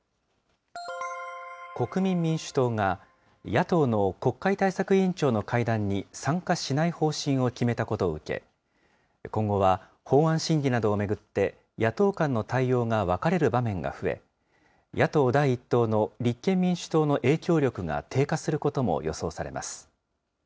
国民民主党が、野党の国会対策委員長の会談に参加しない方針を決めたことを受け、今後は法案審議などを巡って、野党間の対応が分かれる場面が増え、野党第１党の立憲民主党の影響力が低下することも予想されます。